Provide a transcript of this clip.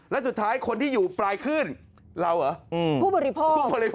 และสุดท้ายคนที่อยู่ปลายขึ้นเราเหรอผู้บริโภค